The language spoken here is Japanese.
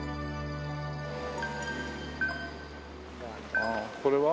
ああこれは？